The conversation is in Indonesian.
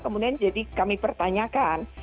kemudian jadi kami pertanyakan